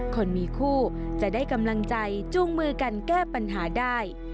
คนมีคู่จะได้กำลังใจจูงมือกันแก้ปัญหาได้